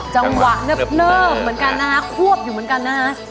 จังหวะเนิบเหมือนกันนะฮะควบอยู่เหมือนกันนะฮะ